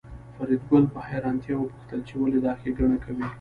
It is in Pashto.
فریدګل په حیرانتیا وپوښتل چې ولې دا ښېګڼه کوې